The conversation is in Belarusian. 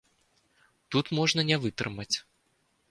Тут можна не вытрымаць.